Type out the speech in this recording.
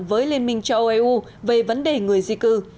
với liên minh châu âu eu về vấn đề người di cư